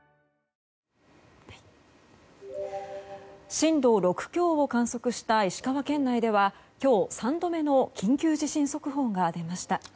震度６強を観測した石川県内では今日、３度目の緊急地震速報が出ました。